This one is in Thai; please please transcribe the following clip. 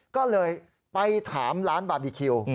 ก็เลยไปถามร้านบาร์บีคิว